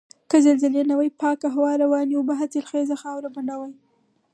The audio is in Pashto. که زلزلې نه وای پاکه هوا، روانې اوبه، حاصلخیزه خاوره به نه وای.